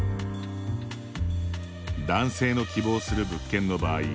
男性の希望する物件の場合